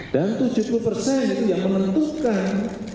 dan tujuh puluh persen itu yang menentukan